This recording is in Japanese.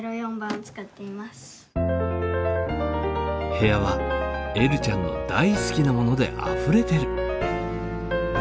部屋はえるちゃんの大好きなものであふれてる。